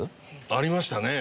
ありましたね。